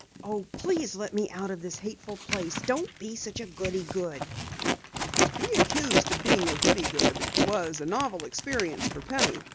"Oh, please let me out of this hateful place! Don't be such a goody good!" To be accused of being a "goody good" was a novel experience for Penny.